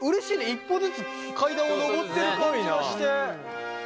一歩ずつ階段を上ってる感じがして。